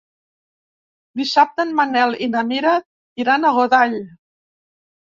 Dissabte en Manel i na Mira iran a Godall.